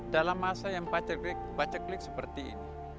dalam masa yang baca klik seperti ini